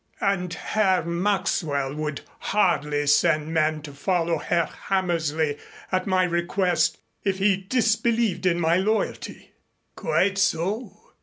And Herr Maxwell would hardly send men to follow Herr Hammersley at my request if he disbelieved in my loyalty." "Quite so.